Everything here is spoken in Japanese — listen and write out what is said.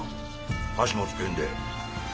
箸もつけんで。